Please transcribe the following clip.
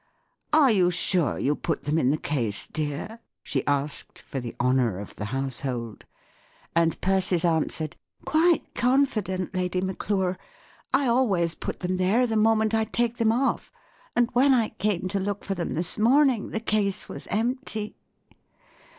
" Are you sure you put them in the case, dear?" she asked, for the honour of the household. And Persis answered :" Quite confident, Lady Maclure; I always put them there the moment I take them off; and when I came to look for them this morning, the case was empty."